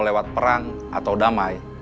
lewat perang atau damai